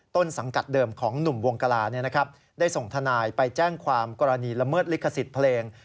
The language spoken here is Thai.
ต้นสังกัดเดิมของหนุ่มวงกลาได้ส่งทนายไปแจ้งความกรณีละเมิดลิขสิทธิ์เพลง